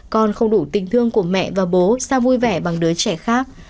con không đủ tình thương của mẹ và bố sao vui vẻ bằng đứa trẻ khác